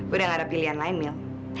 udah gak ada pilihan lain mil